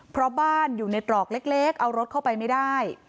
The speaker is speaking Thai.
เพราะบ้านอยู่ในตรอกเล็กเอารถเข้าไปไม่ได้